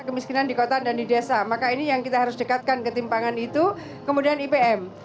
kemiskinan di kota dan di desa maka ini yang kita harus dekatkan ketimpangan itu kemudian ipm